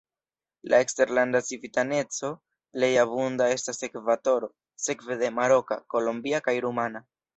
La eksterlanda civitaneco plej abunda estas ekvatora, sekve de maroka, kolombia kaj rumana.